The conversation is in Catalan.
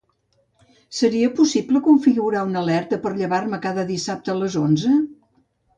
Seria possible configurar una alerta per llevar-me cada dissabte a les onze?